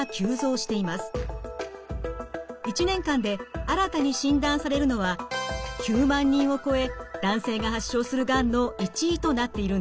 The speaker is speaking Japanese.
１年間で新たに診断されるのは９万人を超え男性が発症するがんの１位となっているんです。